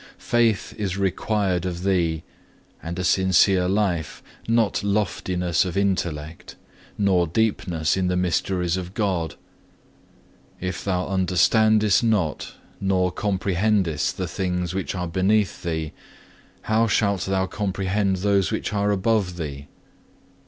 Faith is required of thee, and a sincere life, not loftiness of intellect, nor deepness in the mysteries of God. If thou understandest not nor comprehendest the things which are beneath thee, how shalt thou comprehend those which are above thee?